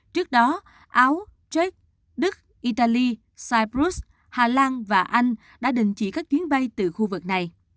trước đó áo chech đức italy brut hà lan và anh đã đình chỉ các chuyến bay từ khu vực này